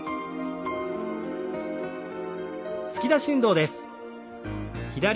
突き出し運動です。